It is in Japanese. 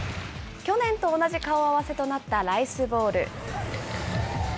去年と同じ顔合わせとなったライスボウル。